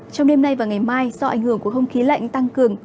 trong đêm nay và ngày mai do ảnh hưởng của không khí lạnh tăng cường